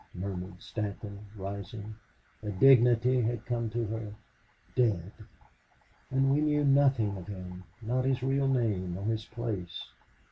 murmured Stanton, rising. A dignity had come to her. "Dead! And we knew nothing of him not his real name nor his place